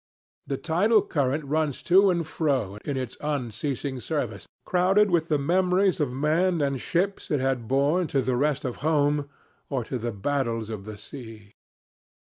The tidal current runs to and fro in its unceasing service, crowded with memories of men and ships it had borne to the rest of home or to the battles of the sea.